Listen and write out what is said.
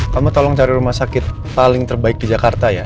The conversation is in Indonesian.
kamu tolong cari rumah sakit paling terbaik di jakarta ya